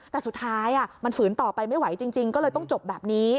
แต่สุดท้ายมันฝืนต่อไปไม่ไหวจริงก็เลยต้องจบแบบนี้